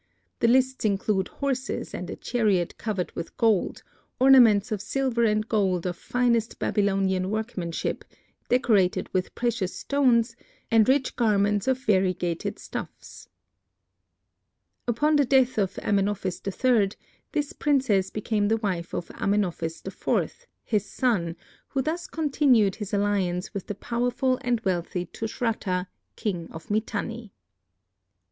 The lists include horses and a chariot covered with gold, ornaments of silver and gold of finest Babylonian workmanship, decorated with precious stones and rich garments of variegated stuffs. Upon the death of Amenophis III, this princess became the wife of Amenophis IV, his son, who thus continued his alliance with the powerful and wealthy Tushratta, king of Mitanni.